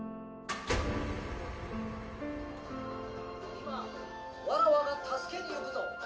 「今わらわが助けにゆくぞ！」